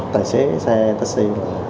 tài xế xe taxi